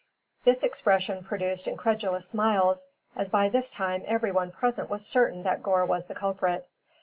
This expression produced incredulous smiles, as by this time everyone present was certain that Gore was the culprit.